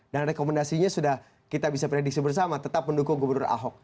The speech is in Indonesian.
dan rekomendasinya sudah kita bisa prediksi bersama tetap mendukung gubernur ahok